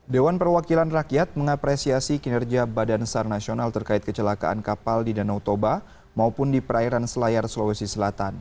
dewan perwakilan rakyat mengapresiasi kinerja badan sar nasional terkait kecelakaan kapal di danau toba maupun di perairan selayar sulawesi selatan